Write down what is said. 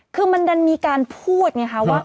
คือมันดันมีการพูดไงคะว่า